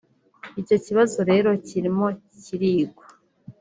Icyo kibazo rero kirimo kirigwa